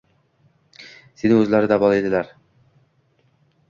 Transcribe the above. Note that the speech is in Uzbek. Seni o`zlari davolaydilar